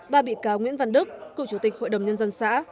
ba bị cáo nguyễn văn đức cựu chủ tịch hội đồng nhân dân xã